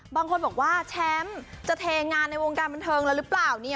บางคนบอกว่าแชมป์จะเทงานในวงการบันเทิงแล้วหรือเปล่าเนี่ย